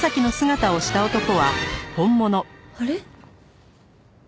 あれ？